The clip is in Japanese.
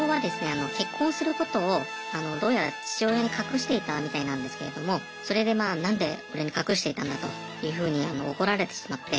あの結婚することをどうやら父親に隠していたみたいなんですけれどもそれでまあ何で俺に隠していたんだというふうに怒られてしまって。